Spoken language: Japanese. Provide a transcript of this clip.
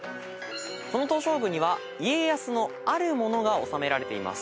この東照宮には家康のあるものが納められています。